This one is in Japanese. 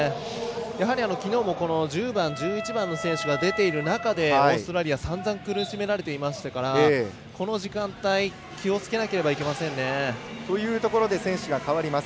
やはり、きのうも１０番、１１番の選手が出ている中でオーストラリア、さんざん苦しめられていましたからこの時間帯、気をつけなければ選手が代わります。